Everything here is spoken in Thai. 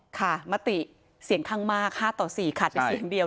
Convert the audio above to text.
ค่ะมัตติเสียงขังมาก๕ต่อ๔ขาดไป๔คนเดียว